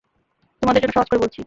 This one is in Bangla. তোমাদের জন্য সহজ করে বলছি।